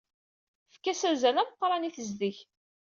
Fkan-as azal ameqran i tezdeg.